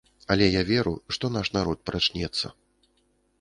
Але я веру, што наш народ прачнецца.